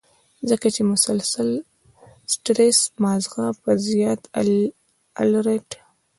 ځکه چې مسلسل سټرېس مازغۀ پۀ زيات الرټ